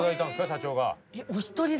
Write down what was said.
社長が。